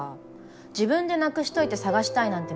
自分でなくしといて探したいなんて